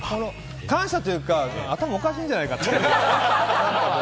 感謝というか頭おかしいんじゃないかという。